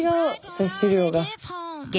摂取量が。